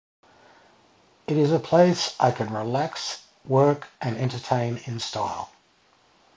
It is a place where I can relax, work, and entertain in style.